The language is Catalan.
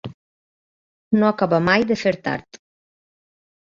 No acaba mai de fer tard.